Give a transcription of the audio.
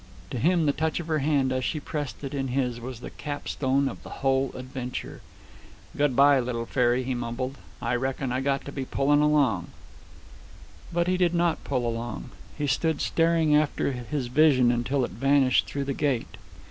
To him, the touch of her hand as he pressed it in his was the capstone of the whole adventure. "Good bye, little fairy," he mumbled. "I reckon I got to be pullin' along." But he did not pull along. He stood staring after his vision until it vanished through the gate.